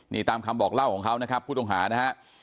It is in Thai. นี่ตามคำบอกเล่าของเขานะครับผู้ต้องหานะฮะ